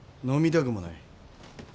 飲みたくもない。